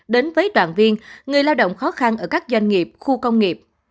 đến với đoàn viên người lao động khó khăn ở các doanh nghiệp khu công nghiệp